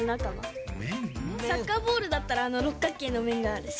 サッカーボールだったらろっかっけいの面があるし。